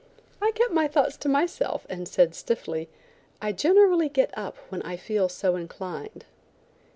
I kept my thoughts to myself, and said stiffly: "I generally get up when I feel so inclined."